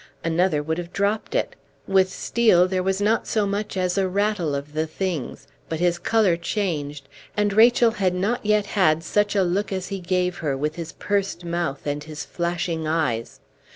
Another would have dropped it; with Steel there was not so much as a rattle of the things, but his color changed, and Rachel had not yet had such a look as he gave her with his pursed mouth and his flashing eyes.